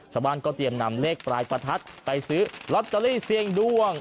ชาวบ้านก็เตรียมนำเลขปลายประทัดไปซื้อลอตเตอรี่เสียงดวง